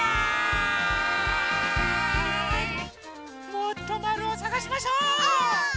もっとまるをさがしましょう！